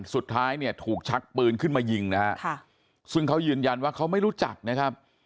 สุดท้ายเนี่ยถูกชักปืนขึ้นมายิงนะฮะซึ่งเขายืนยันว่าเขาไม่รู้จักนะครับ